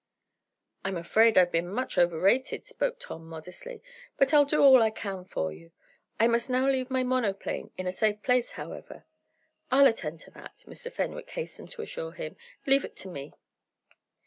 "I'm afraid I've been much overrated," spoke Tom, modestly, "but I'll do all I can for you. I must now leave my monoplane in a safe place, however." "I'll attend to that," Mr. Fenwick hastened to assure him. "Leave it to me."